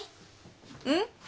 うん？